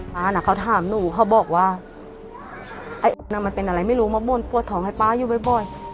ป้าเขาถามหนูเขาบอกว่ามันเป็นอะไรไม่รู้มาบ้วนปวดท้องให้ป้าอยู่บ่อย